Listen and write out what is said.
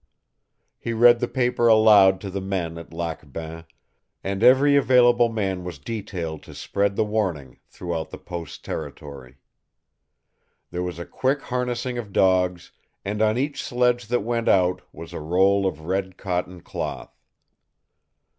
He read the paper aloud to the men at Lac Bain, and every available man was detailed to spread the warning throughout the post's territory. There was a quick harnessing of dogs, and on each sledge that went out was a roll of red cotton cloth.